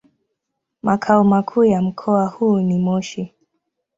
Makao makuu ya mkoa huu ni Moshi.